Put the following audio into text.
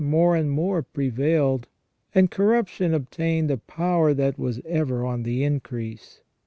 more and more prevailed, and corruption obtained a power that was ever on the increase.